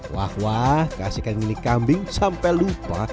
wah wah kasihkan mili kambing sampai lupa